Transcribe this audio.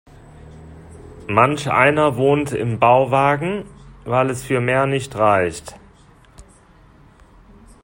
Manch einer wohnt im Bauwagen, weil es für mehr nicht reicht.